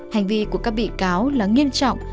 hành vi của các bị cáo là nghiêm trọng